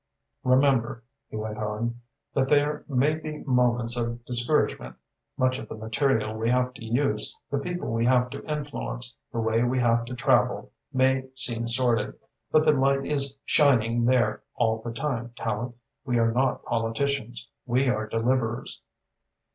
Remember," he went on, "that there may be moments of discouragement. Much of the material we have to use, the people we have to influence, the way we have to travel, may seem sordid, but the light is shining there all the time, Tallente. We are not politicians. We are deliverers."